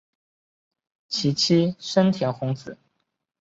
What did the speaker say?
其妻笙田弘子。